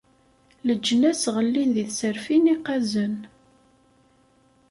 Leǧnas ɣellin di tserfin i qqazen.